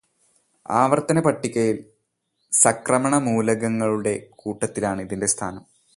ആവർത്തനപ്പട്ടികയിൽ സംക്രമണമൂലകങ്ങളുടെ കൂട്ടത്തിലാണ് ഇതിന്റെ സ്ഥാനം